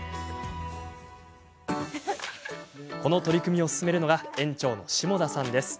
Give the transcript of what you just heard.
この取り組みを進めるのが園長の下田さんです。